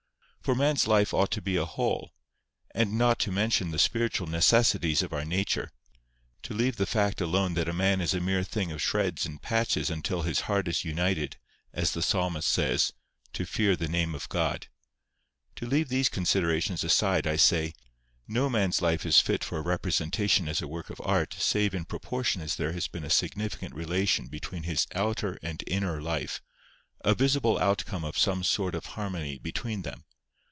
For man's life ought to be a whole; and not to mention the spiritual necessities of our nature—to leave the fact alone that a man is a mere thing of shreds and patches until his heart is united, as the Psalmist says, to fear the name of God—to leave these considerations aside, I say, no man's life is fit for representation as a work of art save in proportion as there has been a significant relation between his outer and inner life, a visible outcome of some sort of harmony between them.